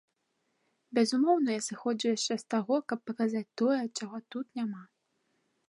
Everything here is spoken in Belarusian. Безумоўна, я сыходжу яшчэ з таго, каб паказаць тое, чаго тут няма.